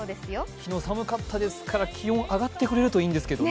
昨日寒かったですから、気温が上がってくれるといいんですけどね。